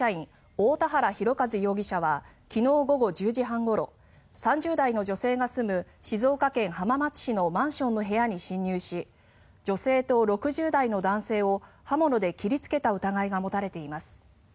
大田原広和容疑者は昨日午後１０時半ごろ３０代の女性が住む静岡県浜松市のマンションの部屋に侵入し女性と６０代の男性を刃物で切りつけた疑いが持たれています。